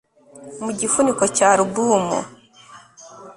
mu gifuniko cya alubumu